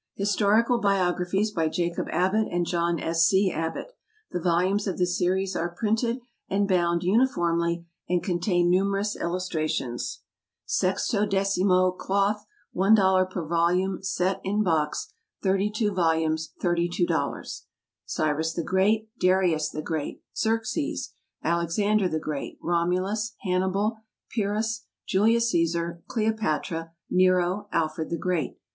HISTORICAL BIOGRAPHIES. By JACOB ABBOTT and JOHN S. C. ABBOTT. The Volumes of this Series are printed and bound uniformly, and contain numerous Illustrations. 16mo, Cloth, $1.00 per volume; Set in box, 32 vols., $32.00. Cyrus the Great. Darius the Great. Xerxes. Alexander the Great. Romulus. Hannibal. Pyrrhus. Julius Cæsar. Cleopatra. Nero. Alfred the Great.